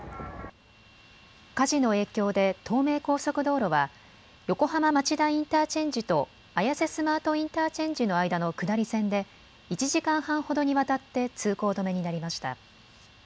火事の影響で東名高速道路は横浜町田インターチェンジと綾瀬スマートインターチェンジの間の下り線で１時間半ほどにわたって通行止めになりました。